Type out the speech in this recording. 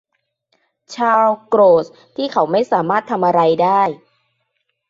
ชาร์ลโกรธที่เขาไม่สามารถทำอะไรได้